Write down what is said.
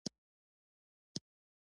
ګورنرجنرال عقیده وه چې وضع وڅارله شي.